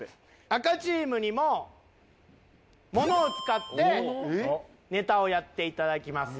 赤チームにもモノを使ってネタをやっていただきます。